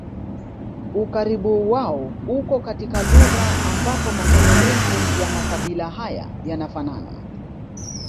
Ukaribu wao uko katika lugha ambapo maneno mengi ya makabila haya yanafanana